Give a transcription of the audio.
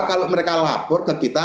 kalau mereka lapor ke kita